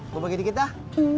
gue bagi dikit dah